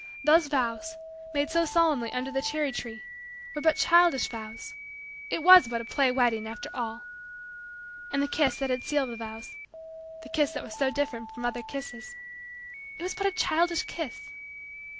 Those vows, made so solemnly under the cherry tree, were but childish vows. It was but a play wedding, after all. And the kiss that had sealed the vows the kiss that was so different from other kisses it was but a childish kiss